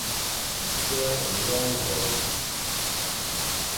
تیغ لونگ ہودُو۔